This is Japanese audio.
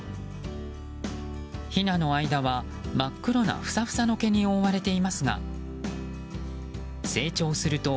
ひなの間は真っ黒なふさふさの毛に覆われていますが成長すると、